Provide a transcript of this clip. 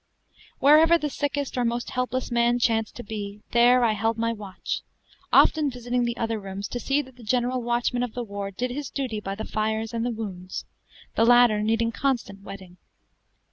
Wherever the sickest or most helpless man chanced to be, there I held my watch, often visiting the other rooms to see that the general watchman of the ward did his duty by the fires and the wounds, the latter needing constant wetting.